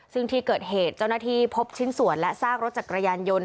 ซึ่งที่เกิดเหตุเจ้าหน้าที่พบชิ้นส่วนและซากรถจักรยานยนต์